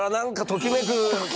ときめく！